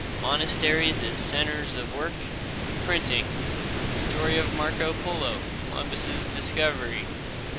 Monasteries as centers of work. Printing. Story of Marco Polo. Columbus' discovery.